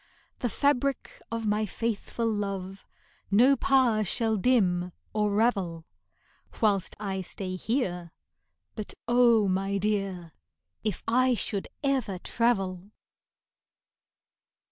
The fabric of my faithful love No power shall dim or ravel Whilst I stay here, but oh, my dear, If I should ever travel!